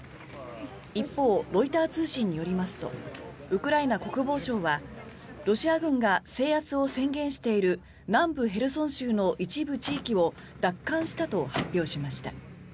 一方、ロイター通信によりますとウクライナ国防省はロシア軍が制圧を宣言している南部ヘルソン州の一部地域を奪還したと発表しました。